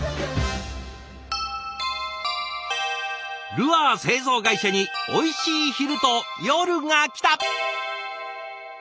ルアー製造会社においしい昼と夜がきた。